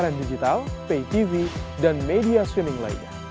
layanan digital pay tv dan media swimming lainnya